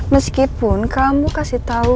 meskipun kamu kasih tahu